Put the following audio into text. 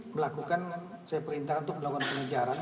melakukan saya perintah untuk melakukan pengejaran